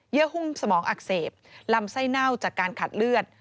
หุ้มสมองอักเสบลำไส้เน่าจากการขัดเลือด